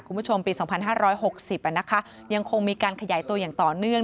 คุณผู้ชมปี๒๕๖๐ยังคงมีการขยายตัวอย่างต่อเนื่อง